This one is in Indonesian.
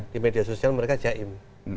di media sosial mereka jaim